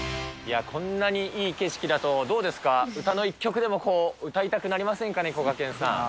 いや、こんなにいい景色だと、どうですか、歌の一曲でも歌いたくなりませんかね？